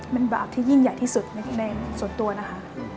เป็นบาปที่ยิ่งใหญ่ที่สุดในส่วนตัวนะคะ